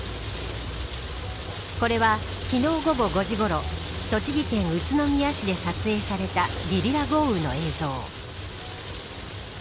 これは、昨日午後５時ごろ栃木県宇都宮市で撮影されたゲリラ豪雨の映像。